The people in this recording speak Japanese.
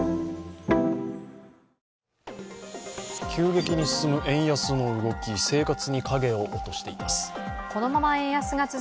急激に進む円安の動き、生活に影を落としています。